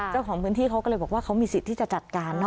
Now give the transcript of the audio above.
เจ้าของพื้นที่เขาก็เลยบอกว่าเขามีสิทธิ์ที่จะจัดการนะ